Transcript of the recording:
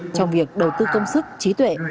trong việc đầu tư công sức trí tuệ